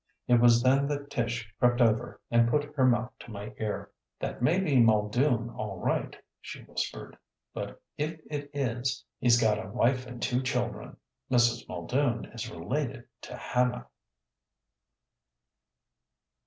It was then that Tish crept over and put her mouth to my ear. "That may be Muldoon all right," she whispered. "But if it is he's got a wife and two children. Mrs. Muldoon is related to Hannah."